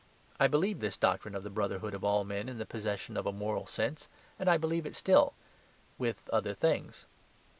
I believed this doctrine of the brotherhood of all men in the possession of a moral sense, and I believe it still with other things.